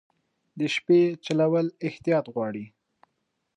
د شپې چلول احتیاط غواړي.